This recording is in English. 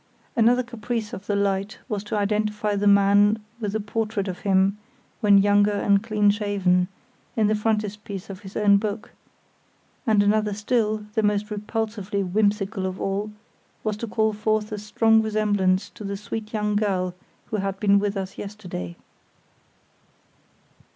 Another caprice of the light was to identify the man with the portrait of him when younger and clean shaven, in the frontispiece of his own book; and another still, the most repulsively whimsical of all, was to call forth a strong resemblance to the sweet young girl who had been with us yesterday.